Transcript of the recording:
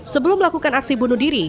sebelum melakukan aksi bunuh diri